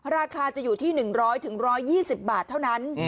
ราคาจะอยู่ที่๑๐๐๑๒๐บาทเท่านั้น